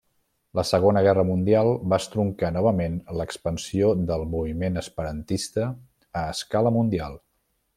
La Segona Guerra Mundial va estroncar novament l'expansió del moviment esperantista a escala mundial.